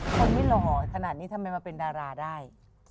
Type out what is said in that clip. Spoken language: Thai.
คนไม่หล่อขนาดนี้ทำไมมาเป็นดาราได้